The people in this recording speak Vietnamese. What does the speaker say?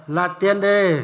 là tiền đề